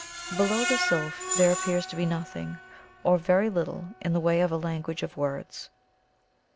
— Below the sylph there ajopears to be nothing, or very little, in the way of a language of words.